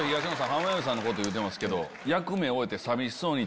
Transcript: はまゆうさんのこと言うてますけど。